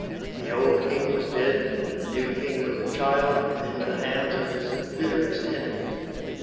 The old King was dead, the new King was a child and in the hands of his bitterest enemies.